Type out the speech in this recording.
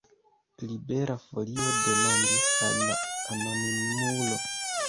Libera Folio demandis al la anonimulo.